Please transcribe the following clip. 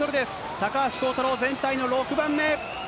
高橋航太郎、全体の６番目。